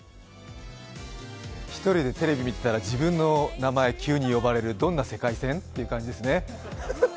１人でテレビ見てたら自分の名前、急に呼ばれるどんな世界線って感じですね。